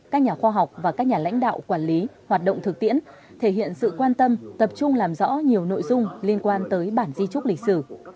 các nhà khoa học và các nhà lãnh đạo quản lý hoạt động thực tiễn thể hiện sự quan tâm tập trung làm rõ nhiều nội dung liên quan tới bản di trúc lịch sử